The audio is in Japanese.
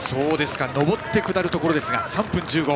上って下るところですが３分１５。